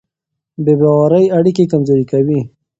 بې باورۍ اړیکې کمزورې کوي.